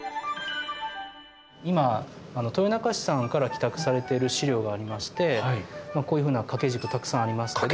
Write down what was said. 今豊中市さんから寄託されてる資料がありましてこういうふうな掛け軸たくさんありますけど。